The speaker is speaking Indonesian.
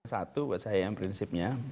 satu buat saya yang prinsipnya